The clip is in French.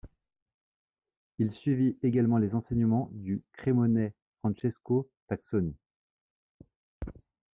Il suivit également les enseignement du Crémonais Francesco Tacconi.